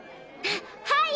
はい！